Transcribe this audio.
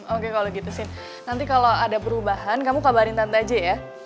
oke kalau gitu sih nanti kalau ada perubahan kamu kabarin tante aja ya